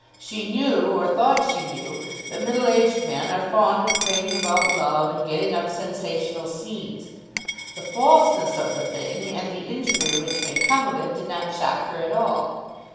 She knew, or thought she knew, that middle aged men are fond of prating about love, and getting up sensational scenes. The falseness of the thing, and the injury which may come of it, did not shock her at all.